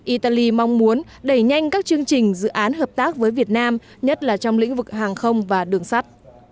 italy mong muốn đẩy nhanh các chương trình dự án hợp tác với việt nam nhất là trong lĩnh vực hàng không và đường sắt